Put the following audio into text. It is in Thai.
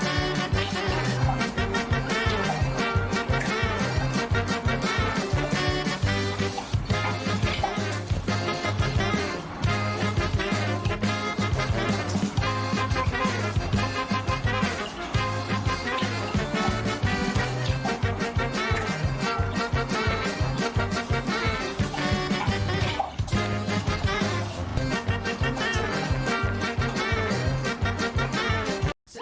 สวัสดีค่ะ